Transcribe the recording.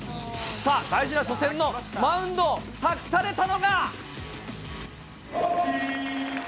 さあ大事な初戦のマウンド託されたのが。